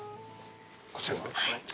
こちらで。